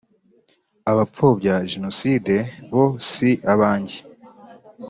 abapfobya genocide bo si abanjye